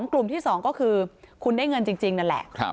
กลุ่มที่๒ก็คือคุณได้เงินจริงนั่นแหละ